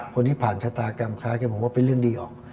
คนที่ผ่านชะตากรรมคล้ายกันผมว่าเป็นเรื่องดีออก